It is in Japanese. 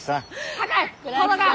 高い！